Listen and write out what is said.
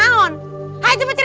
ata cahaya itu tidak banyak